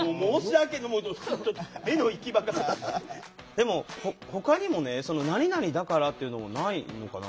でもほかにもね何々だからっていうのもないのかな？